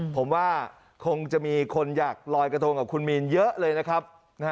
ผมว่าคงจะมีคนอยากลอยกระทงกับคุณมีนเยอะเลยนะครับ